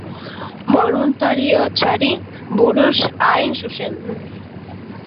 Boluntariotzari buruz hain zuzen.